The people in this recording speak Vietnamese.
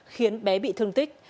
khiến bé bị thương tích